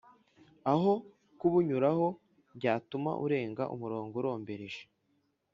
aho kubunyuraho byatuma urenga umurongo urombereje